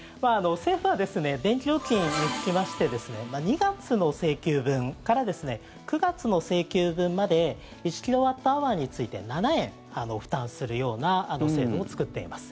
政府は電気料金につきまして２月の請求分から９月の請求分まで１キロワットアワーについて７円負担するような制度を作っています。